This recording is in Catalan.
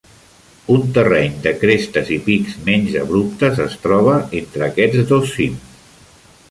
Un terreny de crestes i pics menys abruptes es troba entre aquests dos cims.